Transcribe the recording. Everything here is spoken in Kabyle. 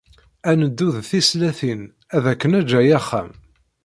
Ad neddu d tislatin ad ak-neǧǧ ay axxam.